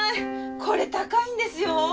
これ高いんですよ。